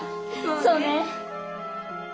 そうね。